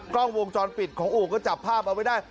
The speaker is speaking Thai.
กล้องวงจรปิดของอู่ก็จับภาพเอาไว้ได้